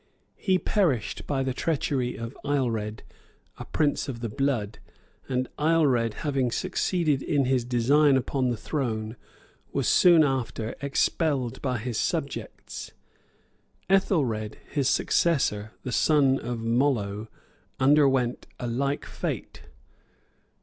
He perished by the treachery of Ailred, a prince of the blood; and Ailred, having succeeded in his design upon the throne, was soon after expelled by his subjects. Ethelred, his successor, the son of Mollo, underwent a like fate.